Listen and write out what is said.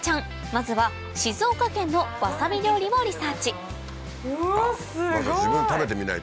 まずは静岡県のわさび料理をリサーチうわっすごい！